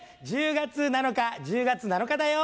１０月７日１０月７日だよ！